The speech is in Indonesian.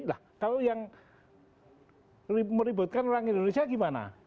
nah kalau yang meributkan orang indonesia gimana